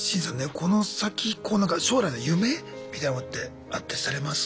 この先こうなんか将来の夢みたいなものってあったりされます？